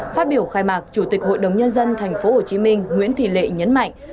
phát biểu khai mạc chủ tịch hội đồng nhân dân tp hcm nguyễn thị lệ nhấn mạnh